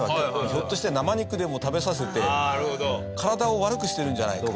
ひょっとして生肉でも食べさせて体を悪くしてるんじゃないか。